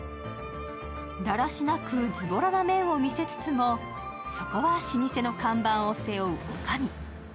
だらしなくずぼらな面を見せつつも、そこは老舗の看板を背負うおかみ。